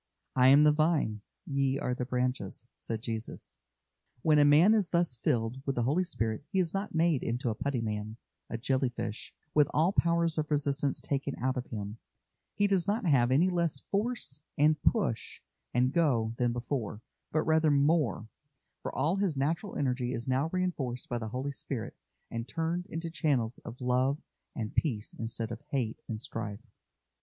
"I am the Vine, ye are the branches," said Jesus. When a man is thus filled with the Holy Spirit he is not made into a putty man, a jelly fish, with all powers of resistance taken out of him; he does not have any less force and "push" and "go" than before, but rather more, for all his natural energy is now reinforced by the Holy Spirit, and turned into channels of love and peace instead of hate and strife.